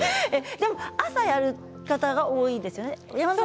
朝やる方が多いんですよね。